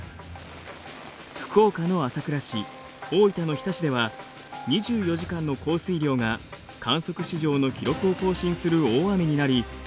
福岡の朝倉市大分の日田市では２４時間の降水量が観測史上の記録を更新する大雨になり２，０００